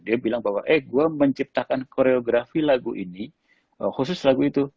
dia bilang bahwa eh gue menciptakan koreografi lagu ini khusus lagu itu